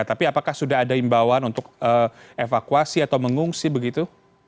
tapi apakah sudah ada imbauan untuk evakuasi atau mengungsi begitu